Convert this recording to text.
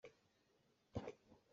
Angkileng tah a thiam ngaingai.